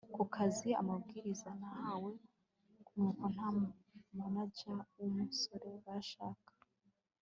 kukazi amabwiriza nahawe nuko nta manager w'umusore bashaka